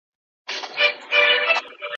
زما لحد به وي ګډ سوی دا شپېلۍ به لا ږغیږي